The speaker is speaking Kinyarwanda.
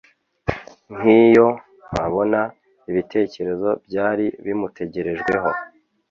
nk’iyo abona ibitekerezo byari bimutegerejweho